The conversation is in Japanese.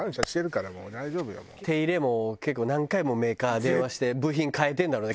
手入れも結構何回もメーカーに電話して部品換えてるんだろうね。